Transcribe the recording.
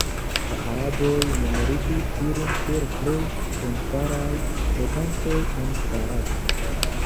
La araboj memorigis ilin kiel plej bonfaraj regantoj en Barato.